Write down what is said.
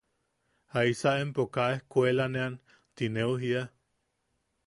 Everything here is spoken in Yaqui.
¿Jaisa empo kaa ejkuelaean ti neu jiia?